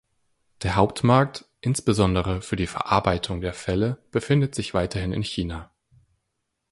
Der Hauptmarkt, insbesondere für die Verarbeitung der Felle, befindet sich weiterhin in China.